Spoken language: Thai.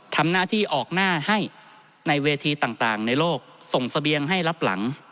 ทำหน้าที่ออกหน้าให้ในเวทีต่างในโลกส่งเสบียงให้รับหลัง